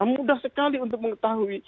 mudah sekali untuk mengetahui